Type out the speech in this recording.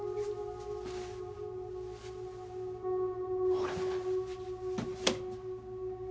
あれ？